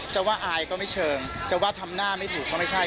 จะว่าอายก็ไม่เชิงจะว่าทำหน้าไม่ถูกก็ไม่ใช่